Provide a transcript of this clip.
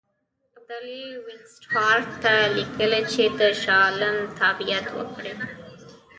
ابدالي وینسیټارټ ته لیکلي چې د شاه عالم تابعیت وکړي.